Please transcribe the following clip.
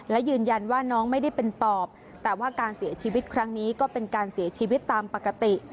และยืนยันว่าน้องไม่ได้เป็นปอบแต่ว่าการเสียชีวิตครั้งนี้ก็เป็นการเสียชีวิตตามปกติ